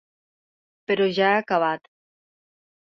Però ja he acabat.